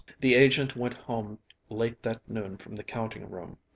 The agent went home late that noon from the counting room.